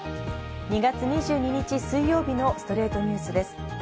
２月２２日、水曜日の『ストレイトニュース』です。